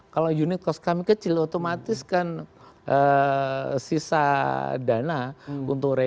kalau unit cost kami kecil otomatis kan sisa dana untuk retail